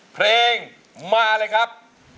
เพลงมาเลยครับ